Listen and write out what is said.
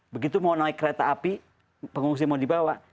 begitu mau naik kereta api pengungsi mau dibawa